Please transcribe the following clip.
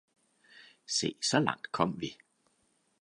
Se så langt kom vi!